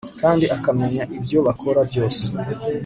kandi akamenya ibyo bakora byose